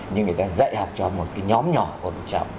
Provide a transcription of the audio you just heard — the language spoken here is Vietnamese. nhưng người ta dạy học cho một cái nhóm nhỏ